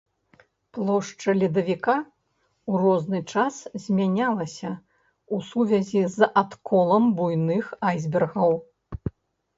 Плошча ледавіка, у розны час змянялася, у сувязі з адколам буйных айсбергаў.